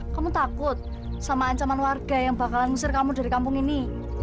kamu takut sama ancaman warga yang bakalan ngusir kamu dari kampung ini